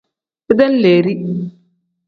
Bidenleeri.